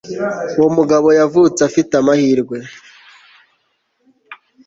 uwo mugabo yavutse afite amahirwe